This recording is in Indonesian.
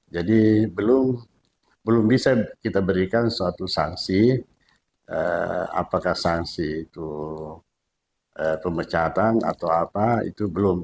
jadi belum bisa kita berikan suatu sanksi apakah sanksi itu